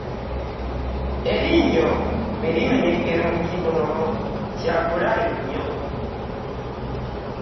Erinnyo bwerimenyekera mu kibuno kyabulabe nnyo.